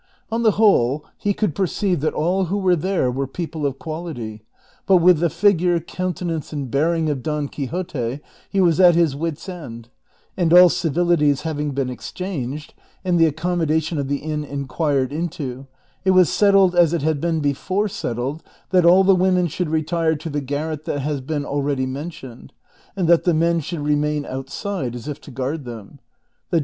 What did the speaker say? On the whole he could perceive that all who were there were people of qualit}^ ; but with the figure, coun tenance, and bearing of Don Quixote he was at his wits' end ; and all civilities having been exchanged, and the accommoda tion of the inn inquired into, it was settled, as it had been before settled, that all the women should retire to the garret that has been already mentioned, and that the men should remain outside as if to guard them ; the ju.